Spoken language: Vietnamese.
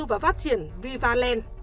và phát triển vivaland